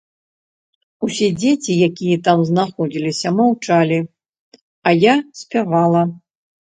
Усе дзеці, якія там знаходзіліся, маўчалі, а я спявала.